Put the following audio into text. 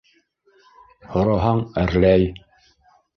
Һораһаң, әрләй.